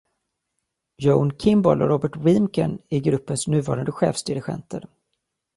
Joan Kimball och Robert Wiemken är gruppens nuvarande chefsdirigenter.